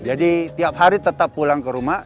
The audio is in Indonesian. jadi tiap hari tetap pulang ke rumah